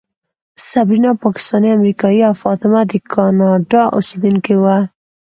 صبرینا پاکستانۍ امریکایۍ او فاطمه د کاناډا اوسېدونکې وه.